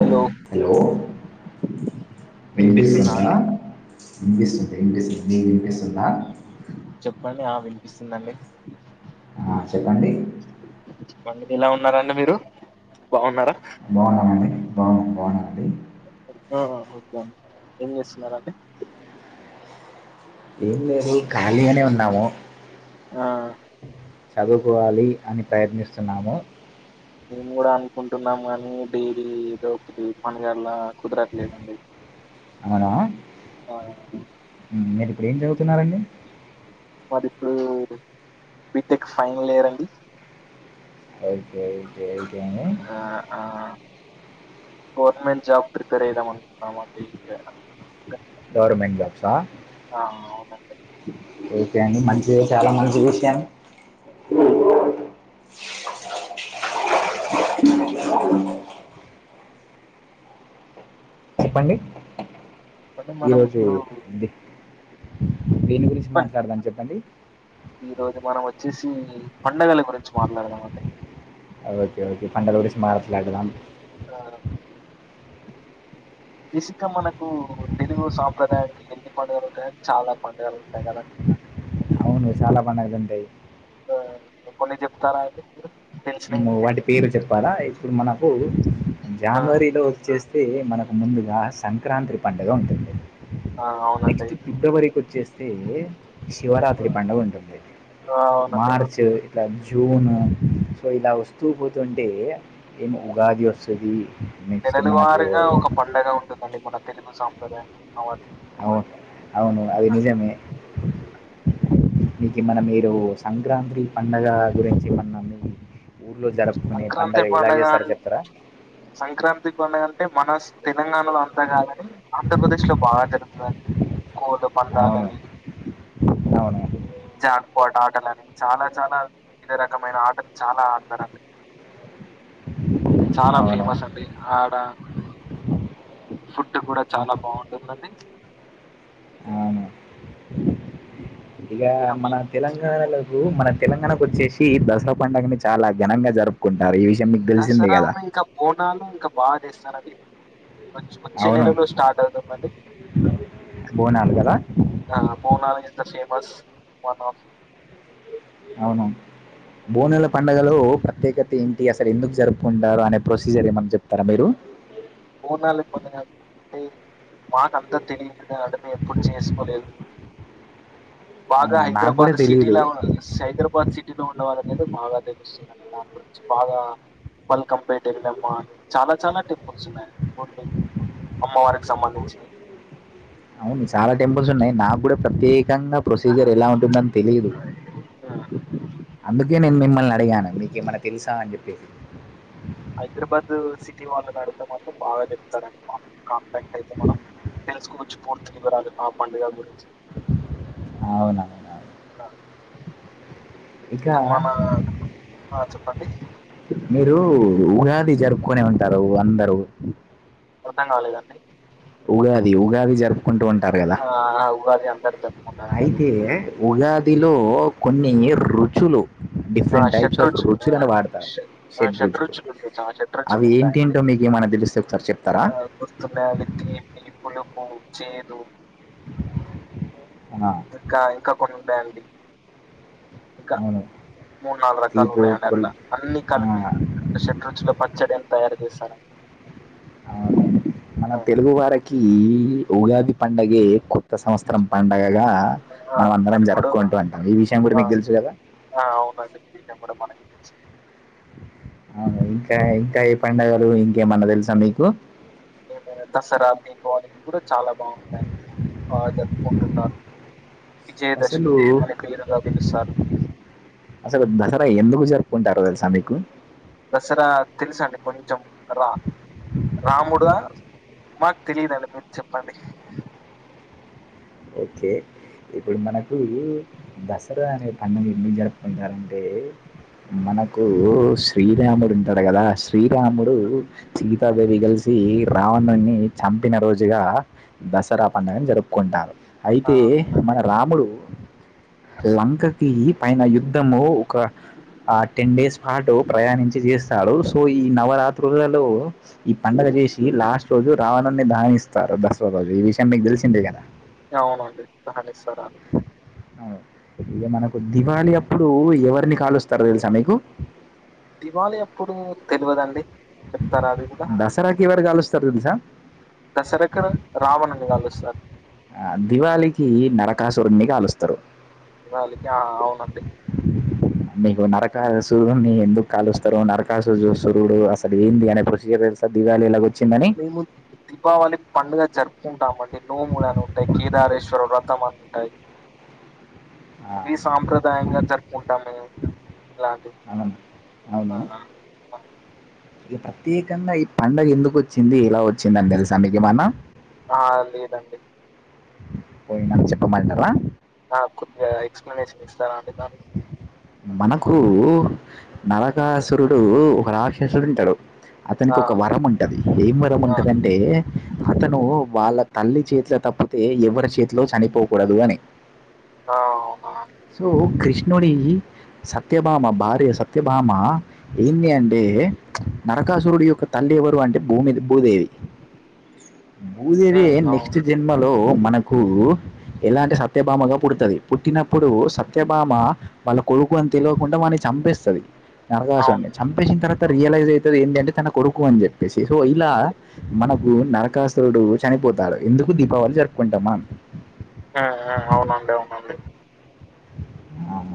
Hello hello వినిపిస్తుందా ఇనిపిస్తుంది ఇనిపిస్తుంది మీకు వినిపిస్ చెప్పండి ఆ వినిపిస్తుందండి ఆ చెప్పండి మందిని ఇలా ఉన్నారండి మీరు బాగున్నారా బాగున్నానండి బగు బాగున్నా అండి అహ ఓకే అండి ఏం చేస్తున్నారండి ఏం లేదు ఖాళీగానే ఉన్నాము ఆ చదువుకోవాలి అని ప్రయత్నిస్తున్నాము మేము కూడా అనుకుంటున్నాము కానీ డైలీ ఏదో ఒకటి పనిగలా కుదరట్లేదండి అవునా ఆ మీరిప్పుడు ఏం చదువుతున్నారండి మాది ఇప్పుడు బీటెక్ ఫైనల్ ఇయర్ అండి ఒకే ఒకే ఒకే అండి ఆ ఆ గవర్నమెంట్ జాబ్ ప్రిపేర్ అయిదాం అనుకుంటున్నమండి గవర్నమెంట్ జాబ్సా అంతె ఓకే అండి మంచిదే చాలా మంచి చూషాను [inaudible] చెప్పండి అంటే మనం ఈరోజు ఇప్పుడు దేని గురించి చెప్పండి మాట్లాడదం చెప్పండి ఈ రోజు మనం వచ్చేసి పండగల గురించి మాట్లాడదామండి ఓకే ఓకే పండల గురించి మాట్లాడదాం ఆ బేసిక్గా మనకు తెలుగు సాంప్రదాయానికి ఎన్ని పండుగలు ఉంటాయి కానీ చాలా పండుగలు ఉంటాయి కదండి [inaudible] చాలా పండగలుంటాయి ఆ కొన్ని చెప్తారా అయితే మేము వాటి పేరు చెప్పాలా ఇప్పుడు మనకు ఆ, జానవరిలో వచ్చేస్తే అది మనకు ముందుగా సంక్రాంతి పండుగ ఉంటుంది ఆ, అవునండి నెక్స్ట్ ఫిబ్రవరికి వచ్చేస్తే ఆ, శివరాత్రి పండుగ ఉంటుంది ఆ, అవునండి మార్చ్ ఇలా జూను సో ఇలా వస్తూ పోతుంటే ఏమి ఉగాది వస్తది నెలలువారుగా ఒక పండగ ఉంటుందండి మన తెలుగు సాంప్రదాయం వారి- అవును అవును అవి ఆ, నిజమే నీకు మనం మీరు సంక్రాంత్రి పండగ గురించి మనము సంక్రాంత్రి పండగన్ని చెప్తారా సంక్రాంతి పండగని అంటే మన తెలంగాణలో అంతా కాదని ఆంధ్రప్రదేశ్ లో బాగా జరుగుతదని కోలం అవును మర్డాలని అవును జాక్పాట్ ఆటలని చానా చానా వివిధ రకమైన ఆటలు చాలా ఆడతారండి చాలా అవును ఫేమస్ అండి ఆడ ఫుడ్ కూడా ఆ, చాలా బాగుంటుందండి ఇగ ఇంకా మన తెలంగాణలోలకు మన తెలంగాణకు వచ్చేసి దసరా పండుగని చాలా ఘనంగా జరుపుకుంటారు ఈ విషయం మీకు తెలిసింది దసరా కదా ఇంకా బోనాలు ఇంకా బాగా చేస్తారండి వచ్ వచ్చే అవును నెలలో స్టార్ట్ అవుతుదండి బోనాలు కదా ఆ బోనాలు గిట్ల ఫేమస్ వన్ ఆఫ్ అవును బోనల పండుగలో ప్రత్యేకత ఏంటి అసలు ఎందుకు జరుపుకుంటారు అనే ప్రొసీజర్ ఏమన్నా చెప్తారా మీరు బోనాల పండగ అంటే మాకంతా తెలియదు మేమెప్పుడు చేసుకోలేదు బాగా అవునా నాకు కూడా హైదరాబాద్ తెలియదు సిటీలో సైదరాబాద్ సిటీలో ఉన్న వాళ్ళ కి అయితే బాగా తెలుస్తుందిని దాని గురించి బాగా మల్కంపేట్ ఎలమ్మ అని చాలా చాలా టెంపుల్స్ ఉన్నాయి అమ్మ వారికి సంబంధించి అవును చాలా టెంపుల్స్ ఉన్నాయి నాకు కూడా ప్రత్యేకంగా సంబంధించినవి ప్రొసీజర్ ఎలా ఉంటుందని తెలిదు అందుకే నేను మిమ్మల్ని అడిగాను మీకేమైన్నా తెలుసా అని చెప్పే హైదరాబాద్ సిటీ వాళ్ళు నడితే మాత్రం బాగా చెప్తారండి బ కాంటాక్ట్ అయితే మనం తెలుసుకోవచ్చు పూర్తి వివరాలు ఆ పండుగ గురించి అవునవును ఇక మన ఆ చెప్ మీరు ఉగాది జరుపుకొని ఉంటారు అందరూ అర్థం కాలేదండి ఉగాది ఉగాది జరుప్ ఆ ఉగాది అందరు జరుపు అయితే ఉగాదిలో కొన్ని రుచులు ఆ డిఫరెంట్ టైప్స్ ఆఫ్ షడ్రుచులు రుచులను వాడతారు ఆ షెడ్ రుచులు షడ్రుచులు ఉంటుంది ఆ షడ్రుచులు అవి ఉంటాయండి ఏంటేంటో మీకు ఏమైనా తెలిస్తే ఒకసారి చెప్తారా ఆ గుర్తున్నాయి అవి తీపి పులుపు ఉప్పు చేదు ఆ, ఇంకా ఇంకా కొన్ని ఉంటాయండి ఇంక అవును మూడు నాలుగు రకాలు తీపు ఉంటాయండి కొల్ అట్ల అన్ని ఆ, కలిపి ఒక షెడ్ రుచులో పచ్చడిని తయారు చేస్తారు మన తెలుగు వారకి ఉగాది పండగే కొత్త సంవత్సరం పండగగా ఆ, మనం అందరం అది కూడా జరుపుకుంటూ ఉంటాం ఈ విషయం ఇప్పుడు ఆ, మీకు తెెలుసు కదా ఆ అవునండి మీ విషయం కూడా మనం ఇంకా ఇంకా ఏ పండగలు ఇంకేమన్నా తెలుసా మీకు ఏమనా దసరా దీపావళి ఇవి కూడా చాలా బాగుంటాయండి బా జరుపుకుంటూ ఉంటారు అసలు పిలుస్తారు అసలు దసరా ఎందుకు జరుపుకుంటారు తెల్ దసరా తెలుసండి కొంచెం రా రాముడా మాకు తెలియదుండి మీరు చెప్పండి ఓకే ఇప్పుడు మనకు దసరా అనేది అన్నది ఎందుకు జరుపుకుంటారంటే మనకు శ్రీరాముడు ఉంటాడు కదా శ్రీరాముడు సీతాదేవి గ కలిసి రావణుి చంపిన రోజుగా దసరా పండుగను జరుపుకుంటారు ఆ అయితే అవునండి మన రాముడు లంకకి పైన యుద్ధము ఒక ఆ టెన్ డేస్ పాటు ప్రయాణించి చేస్తాడు సో ఈ నవరాత్రులలో ఈ పండుగ చేసి లాస్ట్ రోజు రావణుి దానిస్తారు దసరా రోజు ఈ విషయం మీకు తెలిసిందే కదా అవునండి దహన ఇస్తార అవును ఇక మనకు దివాళి అప్పుడు ఎవరిని కాలు వస్తారు తెలుసా మీకు దివాళి అప్పుడు తెలవదండి చె దసరాకి ఎవరి కాలుస్తారో తెలుసా దసరాకు రావణని కాలుస్తారు ఆ దివాళికి నరకాసురుడు కాలుస్తారు దివాళి కి ఆ అవునండి మీకు నరకా సూర్యుని ఎందుకు కాలుస్తారు నరకాసు సూర్యుడు అసలు ఏంది అనే ప్రొషీజర్ తెలుస మేము దీపావళి పండుగ జరుపుము కుంటామండి నోములు అని ఉంటాయి కేదారేశ్వర వ్రతం అని ఉంటాయి ఆ, ఇవి సాంప్రదాయంగా జరుపుకుంటాము మేము అన్నను అవును ఆ ఇక ప్రత్యేకంగా ఈ పండగ ఎందుకు వచ్చింది ఇలా వచ్చిందని తెలుసా మీకు ఏమన్నా ఆ లేదండి పోనీ నన్ను చెప్పమంటారా ఆ కొద్దిగా ఎక్స్ప్లెనేషన్ ఇస్తా అంట మనకు నరకాసురుడు ఒక రాక్షసుడు ఉంటాడు అతనికి ఆ ఒక వరం ఉంటది ఏం వరం ఆ ఉంటదింటే అతను వాళ్ళ తల్లి చేతిల తప్పితే ఎవరి చేతిలో చనిపోకూడదు అని ఆ అవునా అండి సో క్రి నోడి సత్యభామ భార్య సత్యభామ ఏంది అంటే నరకాసురుడు యొక్క తల్లి ఎవరు అంటే భూమిది భూదేవి భూదేవి ఉమ్ అవును నెక్స్ట్ జన్మలో మనకు ఎలాంటి సత్యభామగా పుడుతుంది పుట్టిన పుట్టినప్పుడు సత్యభామ వాళ్ళ కొడుకు అని తెలివకుండా వాన్ని చంపేస్తది అవును నరకాశన్ని చంపేసిన తర్వాత రియలైజ్ అయి ఏంధంటే తన కొడుకు అని చెప్పేసి సో ఇలా మన నరకాసురుడు చనిపోతాడు ఇందుకు దీపావళి జరుపుకుంటామ్ మనం ఆ అవునండి అవునండి ఆహ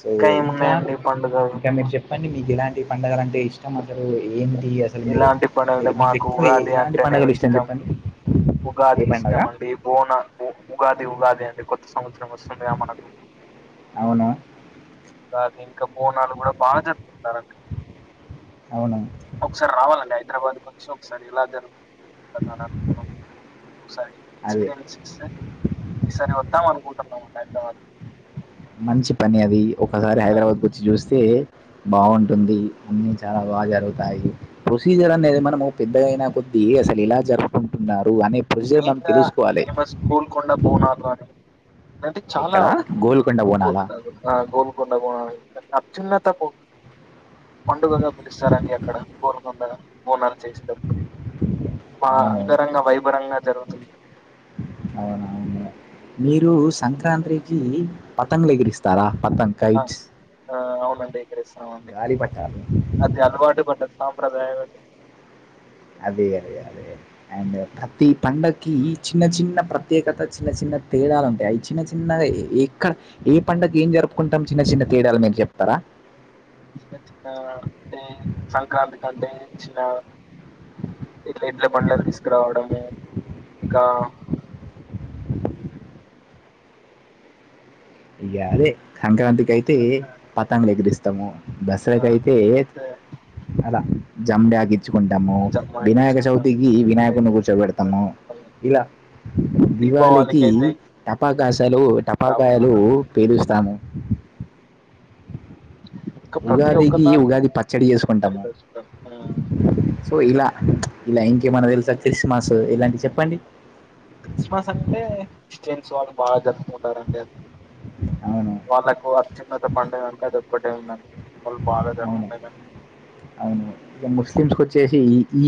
సో ఇంకా ఏమున్నాయండి పండుగలు ఇంకా మీరు చెప్పండి మీకు ఎలాంటి పండగల అంటే ఇష్టం అసలు ఏం ఇ అసలు మీరు ఇలాంటి మీరు పండుగలు మీకు మాకు ఎక్కువ ఉగాది ఎలాంటి అంటేనే పండుగలు ఇష్టం చెప్పండి ఉగాది ఏ పండగ ఇష్టమ అండి బోనలు ఉగాది ఉగాది అండి కొత్త సంవత్సరం వస్తుందిగా మనకు అవును దాని ఇకా బోనాలు కూడా బాగా జరుపుకుంటారండి అవును ఒకసారి రావాలండి అయి హైదరాబాద్కి వచ్చి ఒకసారి ఇలా జరుగుతుంది అంత దాన మనం ఒకసారి అదే ఎక్స్పీరియన్స్ చేస్తే ఈసారి వద్దాం అనుకుంటున్నామండి హైదరాబద్ మంచి పని అది ఒకసారి హైదరాబాద్ వచ్చి చూస్తే బాగుంటుంది అన్ని చాలా బాగా జరుగుతాయి ప్రొసీజర్ అనేది మనము పెద్దగాయినా కొద్దీ అసలు ఇలా జరుపుకుంటున్నారు అనే ప్రొసీజర్ మనం మెయిన్ గా తెలుసుకోవాలి ఫేమస్ కోల్కొండ బోనాలు అని అంటే చాలా ఎక్కడ గోల్కొండ గోల్ బోనాలా ఆ గోల్కొండ బోనాలు అత్యున్నతపు పండుగగా పిలుస్తారండి అక్కడ గోల్కొండ బోనా చేసేటప్పుడు బా అవును అంగరంగా వైభరంగా జరుగుతుంది అవునవును మీరు సంక్రాంత్రికి పతంగులు ఎగిరిస్తారా పతంగ్ ఆ కైట్స్ ఆ అవునండి ఎగరేస్తామండి గాలి పట్టాలు అది అలవాటు పడ్డ సాంప్రదాయమండి అదే అదే అదే అండ్ ప్రతి పండకి చిన్న చిన్న ప్రత్యేకత చిన్న చిన్న తేడాలుంటాయ్ అవి చిన్న చిన్నవె ఎక్కడ ఏ పండక్కి ఏం జరుపుకుంటాం చిన్న చిన్న తేడాలు మీరు చెప్తారా చిన్న చిన్న అంటే సంక్రాంతి కంటే చిన్న ఇట్ల ఎడ్ల పండ్లను తీసుకురావడము ఇంకా [unintelligible] ఇగ అదే సంక్రాంతికి అయితే పతంగులు ఎగిరిస్తాము దసరా ఆ, గైతే ఆ, అద జం ఆగి తెచుకుంటాము జమ్మ వినాయక తెచ్చుకుంటాము చవితికి వినాయకుడిని కూర్చోబెడతాము ఇలా దీపావళికి దివాళికి అయితే టపాకాసాలు టపాకాయ ఇంకా పేలుస్తాము ప్రతి ఒక్క ఉగాదికి దానికి ఉగాది పచ్చడి చేసుకుంటాము తెచ్చుకుంటాం సో ఇలా ఇలా ఇంకేమన్నా తెలుసా క్రిస్మస్ ఇలాంటివి చెప్పండి క్రిస్మస్ అంటే క్రిస్టియన్స్ వాళ్ళు బా జర్ కుంటారండి అది అవును వాళ్ళకు అత్యున్నత పండుగంటె అదొక్కటే ఉందండి వాళ్ళు బాగా అవును జరుపుకునేదంటే ఎక్కించుకొచ్చేసి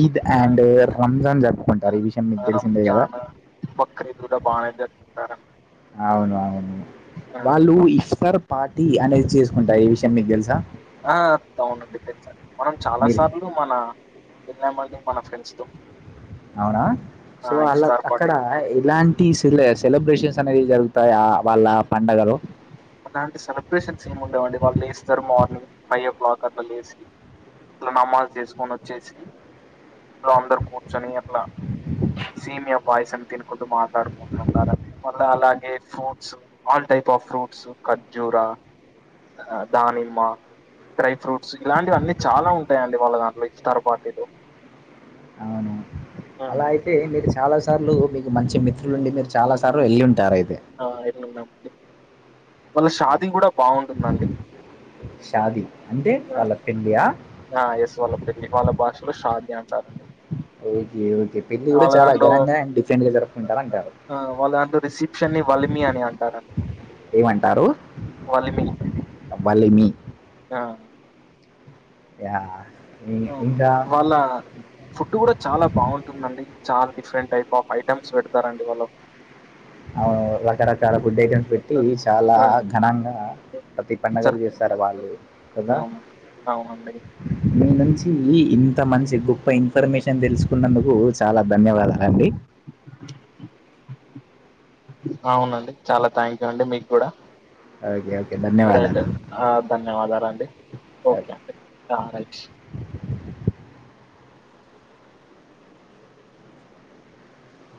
ఈద్ అండ్ రంజాన్ జరుపుకుంటారు ఈ విషం మీకు తెలిసిందే కదా కూడ బానే జరుపుకుంటారు అవును అవును వాళ్ళు ఇఫ్సర్ పార్టీ అనేది చేసుకుంటారు ఏ విషం మీకు తెలుసా ఆ అవునండి తెలుసండి మనం చాలా మీరు సార్లు మన వెళ్ళా మండి మన ఫ్రెండ్స్ తో అవునా సో ఆ అలా ఇఫ్తార్ అక్కడ పార్టీ ఇలాంటి సెల సెలబ్రేషన్స్ అనేది జరుగుతాయి ఆ వాళ్ళ పండగలు అలాంటి సెలబ్రేషన్స్ ఏమి ఉండవండి వాళ్ళు లెస్తరు మార్నింగ్ ఫైవ్ ఓ క్లాక్ అట్ల లేసి నమ నమాజ్ చేసుకొని వచ్చేసి ఇంట్లో అందరు కూర్చొని అట్లా సేమియా పాయసాన్ని తినుకుంటూ మా మాట్లాడుకుంటు ఉంటారండి మల్ల అలాగే fruits all type of fruits ఖజూరా దానిమ్మ డ్రై ఫ్రూట్స్ ఇలాంటివి అన్నీ చాలా ఉంటాయండి వాళ్ళ దాంట్లో ఇఫ్తార్ పార్టీలు అవును అలా అయితే మీరు చాలా సార్లు మీకు మంచి మిత్రులుండి మీరు చాలా సార్లు వెళ్ళి ఉంటరు అయ్ ఆ ఎల్లుంన్నామండి వాళ్ళ షాది కూడా బాగుంటుందండి షాది ఆ య ఎస్ వాళ్ళ పెళ్లి వాళ్ళ భాషలో షాధి అంటారండి ఓకే ఓకే పెళ్ళి కూడా వాళ్ళ చాలా దాంట్లో ఘనంగా అండ్ డిఫరెంట్ గా జరుపుకుంటారు అంటారు ఆ వాళ్ళ దాంట్లో రిసెప్షన్ వలిమి అని అంటారండి ఏమంటారు. వాలిమి వలిమి ఆహ్. యా. ఇం- ఇంకా వాళ్ళ ఫుడ్ కూడా చాలా బాగుంటుందండి చాలా. డిఫరెంట్ టైప్ ఆఫ్ ఐటమ్స్ పెడతారండి వాళ్ళు. ఆవ్ రకరకాల ఫుడ్డ ఐటమ్స్ పెట్టి పెడతారు. చాలా ఆ ఘనంగా. ప్రతి పండగలు సర్ చేస్తారు వాళ్ళు కదా. అవును డాయ్. మీ నుంచి ఇంత మంచి గొప్ప ఇన్ఫర్మేషన్ తెలుసుకున్నందుకు చాలా ధన్యవాదాల అండి. అవునండి చాలా థ్యాంక్ యూ అండి మీకు కూడా. ఓకే. ఓకే ఇంకా రైట్ ధన్యవాదాలు ఆహ్ ధన్యవాదాలు అండి ఆ, ఓకే అండి రైట్.